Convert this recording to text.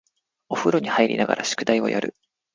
お風呂に入りながら宿題をやる